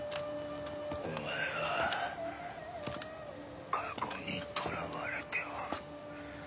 お前は過去にとらわれておる。